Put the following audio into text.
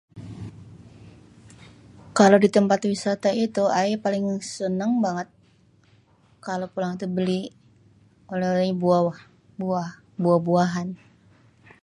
Kalo di tempat wisata itu aye paling seneng banget kalo pulang tu beli oleh-olehnya buah-buahan.